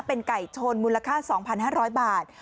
เป็นไก่ชนมูลค่า๒๕๐๐บาท